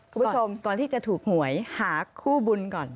คุณผู้ชมก่อนที่จะถูกหวยหาคู่บุญก่อน